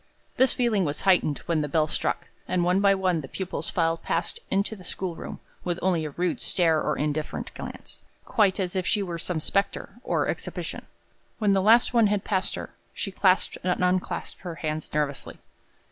This feeling was heightened when the bell struck, and one by one the pupils filed past into the schoolroom, with only a rude stare or indifferent glance, quite as if she were some specter on exhibition. When the last one had passed her, she clasped and unclasped her hands nervously.